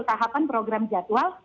tahapan program jadwal